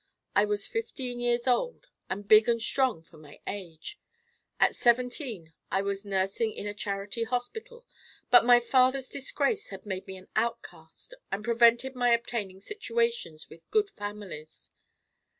I was fifteen years old and big and strong for my age. At seventeen I was nursing in a charity hospital, but my father's disgrace had made me an outcast and prevented my obtaining situations with good families.